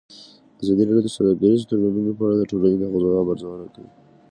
ازادي راډیو د سوداګریز تړونونه په اړه د ټولنې د ځواب ارزونه کړې.